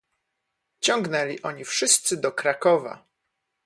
"Ciągnęli oni wszyscy do Krakowa."